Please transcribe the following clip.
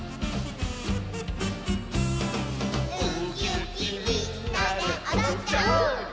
「うきうきみんなでおどっちゃお！」